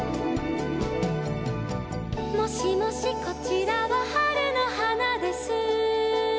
「もしもしこちらは春の花です」